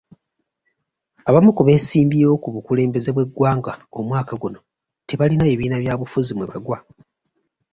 Abamu ku beesimbyewo ku bukulembeze bw'eggwanga omwaka guno tebalina bibiina byabufuzi mwe bagwa.